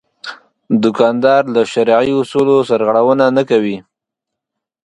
دوکاندار له شرعي اصولو سرغړونه نه کوي.